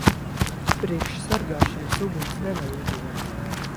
Priekš sargāšanas uguns nevajaga.